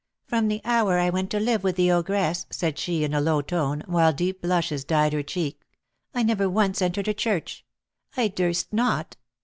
"From the hour I went to live with the ogress," said she, in a low tone, while deep blushes dyed her cheek, "I never once entered a church, I durst not.